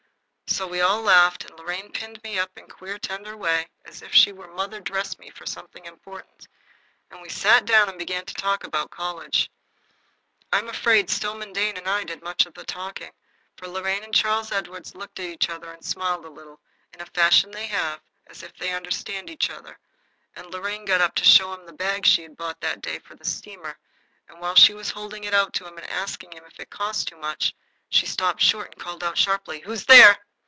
So we all laughed, and Lorraine pinned me up in a queer, tender way, as if she were mother dress me for something important, and we sat down, and began to talk about college. I am afraid Stillman Dane and I did most of the talking, for Lorraine and Charles Edward looked at each other and smiled a little, in a fashion they have, as if they understood each other, and Lorraine got up to show him the bag she had bought that day for the steamer; and while she was holding it out to him and asking him if it cost too much, she stopped short and called out, sharply, "Who's there?"